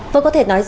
vâng có thể nói rằng